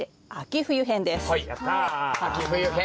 秋冬編。